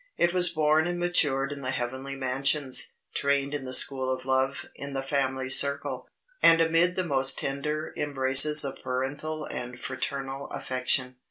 It was born and matured in the heavenly mansions, trained in the school of love in the family circle, and amid the most tender embraces of parental and fraternal affection.